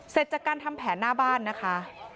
เสร็จจากการทำแผนหน้าบ้านนะคะ